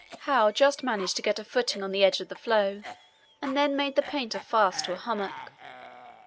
Howe just managed to get a footing on the edge of the floe, and then made the painter fast to a hummock.